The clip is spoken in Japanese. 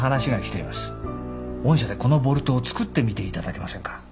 御社でこのボルトを作ってみていただけませんか？